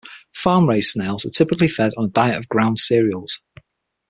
Farm-raised snails are typically fed a diet of ground cereals.